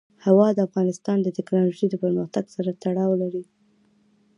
هوا د افغانستان د تکنالوژۍ پرمختګ سره تړاو لري.